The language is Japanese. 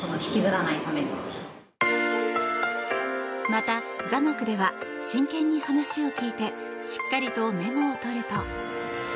また座学では真剣に話を聞いてしっかりとメモを取ると。